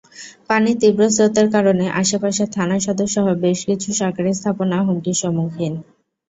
পানির তীব্র স্রোতের কারণে আশপাশের থানা সদরসহ বেশ কিছু সরকারি স্থাপনা হুমকির সম্মুখীন।